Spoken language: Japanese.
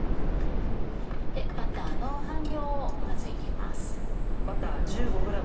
バターの半量をまず入れます。